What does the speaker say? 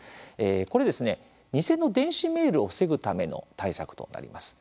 これ、偽の電子メールを防ぐための対策となります。